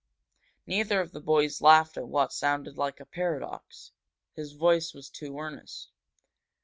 Neither of the boys laughed at what sounded like a paradox. His voice was too earnest.